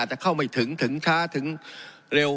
แต่เข้าไม่ถึงถึงช้าถึงเร็ว